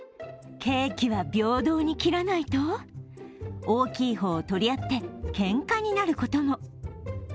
ケーキは平等に切らないと大きい方を取り合ってけんかになることも。